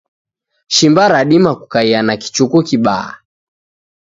Shimba radima kukaia na kichuku kibaa